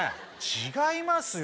違いますよ。